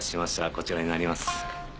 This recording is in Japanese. こちらになります。